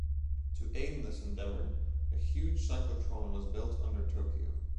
To aid in this endeavor, a huge cyclotron was built under Tokyo.